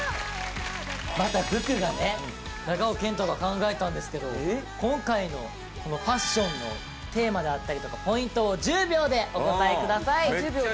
また服がね長尾謙杜が考えたんですけど今回のこのファッションのテーマであったりとかポイントを１０秒でお答えください。